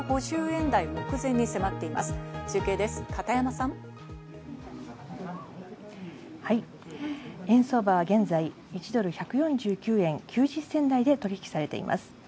円相場は現在、１ドル＝１４９円９０銭台で取引されています。